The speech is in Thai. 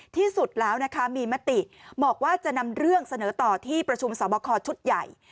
ที่สุดแล้วนะคะมีมติบอกว่าจะนำเรื่องเสนอต่อที่ประชุมสอบคอชุดใหญ่